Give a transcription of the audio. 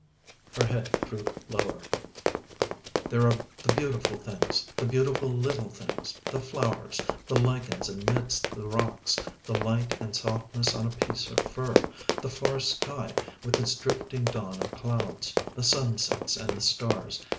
Her head drooped lower. "There are the beautiful things, the beautiful little things—the flowers, the lichens amidst the rocks, the light and softness on a piece of fur, the far sky with its drifting dawn of clouds, the sunsets and the stars.